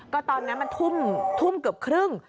ก็ตอนนั้นมันทุ่มเกือบครึ่ง